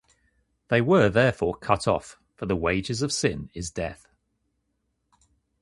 They were therefore cut off, for the wages of sin is death.